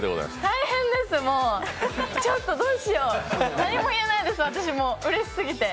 大変です、もう、ちょっとどうしよう、何も言えないです、私、うれしすぎて。